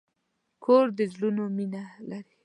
کور د زړونو مینه لري.